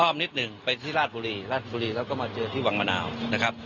นิดหนึ่งไปที่ราชบุรีราชบุรีแล้วก็มาเจอที่วังมะนาวนะครับ